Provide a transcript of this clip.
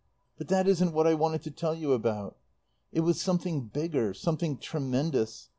"But that isn't what I wanted to tell you about. "It was something bigger, something tremendous.